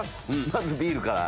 まずビールから。